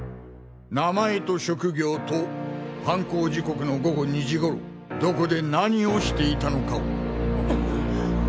名前と職業と犯行時刻の午後２時頃どこで何をしていたのかを。